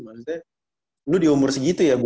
maksudnya lu di umur segitu ya